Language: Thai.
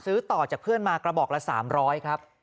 ซื้อต่อจากเพื่อนมากระบอกละ๓๐๐ครับ